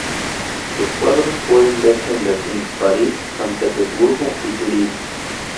Sus cuadros pueden verse en Berlín, París, San Petersburgo y Turín.